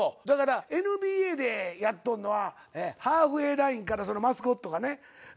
だからＮＢＡでやっとんのはハーフウエーラインからマスコットがね